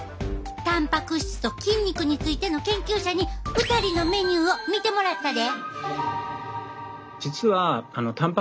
たんぱく質と筋肉についての研究者に２人のメニューを見てもらったで。